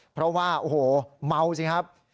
เพราะว่าโอ้โหเมาสิครับ